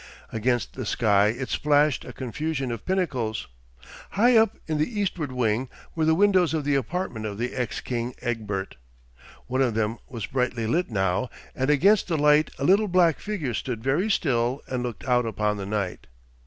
Against the sky it splashed a confusion of pinnacles. High up in the eastward wing were the windows of the apartments of the ex king Egbert. One of them was brightly lit now, and against the light a little black figure stood very still and looked out upon the night.